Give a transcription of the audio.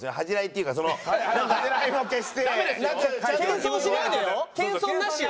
謙遜しないでよ。